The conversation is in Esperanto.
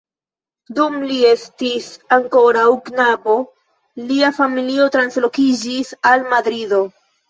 Dum li estis ankoraŭ knabo, lia familio translokiĝis al Madrido.